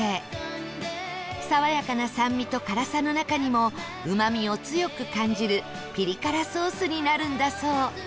爽やかな酸味と辛さの中にもうまみを強く感じるピリ辛ソースになるんだそう